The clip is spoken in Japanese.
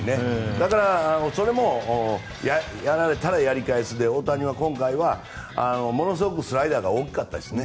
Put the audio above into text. だから、それもやられたらやり返すで大谷は今回はものすごくスライダーが多かったですね。